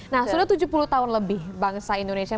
nah sudah tujuh puluh tahun lebih bangsa indonesia